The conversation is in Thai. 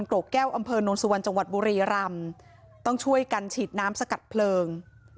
โรคแก้วอำเภอนนสุวรรณจังหวัดบุรีรำต้องช่วยกันฉีดน้ำสกัดเพลิง